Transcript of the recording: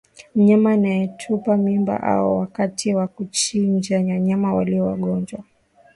mnyama anayetupa mimba au wakati wa kuchinja wanyama walio wagonjwa